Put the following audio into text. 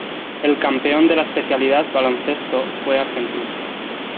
El campeón de la especialidad Baloncesto fue Argentina.